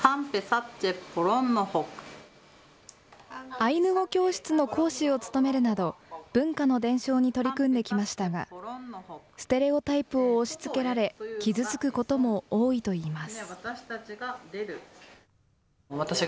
アイヌ語教室の講師を務めるなど、文化の伝承に取り組んできましたが、ステレオタイプを押しつけられ、傷つくことも多いといいます。